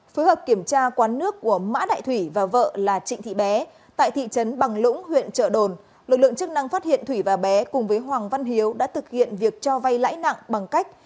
phối hợp kiểm tra quán nước của mã đại thủy và vợ là trịnh thị bé tại thị trấn bằng lũng huyện trợ đồn lực lượng chức năng phát hiện thủy và bé cùng với hoàng văn hiếu đã thực hiện việc cho vay lãi nặng bằng cách